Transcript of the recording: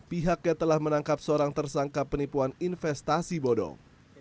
pihaknya telah menangkap seorang tersangka penipuan investasi bodong